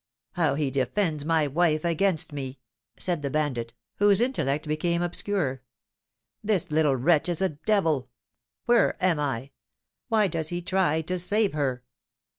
"How he defends my wife against me!" said the bandit, whose intellect became obscure. "This little wretch is a devil! Where am I? Why does he try to save her?"